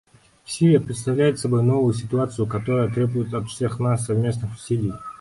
Сирия представляет собой новую ситуацию, которая требует от всех нас совместных усилий.